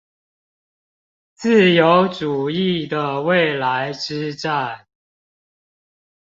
自由主義的未來之戰